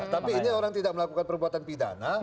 tapi ini orang tidak melakukan perbuatan pidana